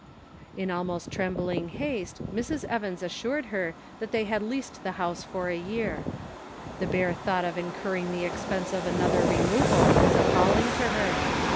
In almost trembling haste, Mrs. Evans assured her that they had leased the house for a year. TKe bare thought of incurring the expense of another removal was appalling to her.